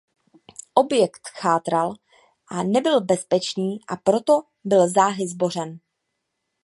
Objekt chátral a nebyl bezpečný a proto byl záhy zbořen.